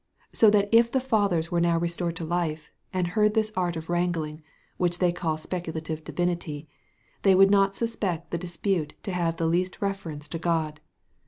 so that if the fathers were now restored to life, and heard this art of wrangling, which they call speculative divinity, they would not suspect the dispute to have the least reference to God.